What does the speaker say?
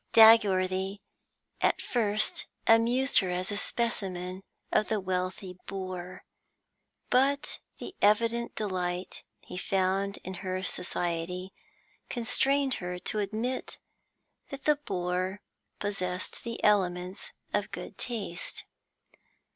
Dagworthy at first amused her as a specimen of the wealthy boor, but the evident delight he found in her society constrained her to admit that the boor possessed the elements of good taste.